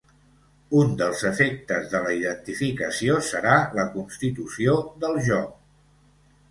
Un dels efectes de la identificació serà la constitució del jo.